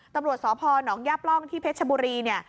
ตำรวจสพนย่าปล่องที่เพชรชบุรีเนี่ย